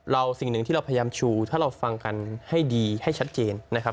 สิ่งหนึ่งที่เราพยายามชูถ้าเราฟังกันให้ดีให้ชัดเจนนะครับ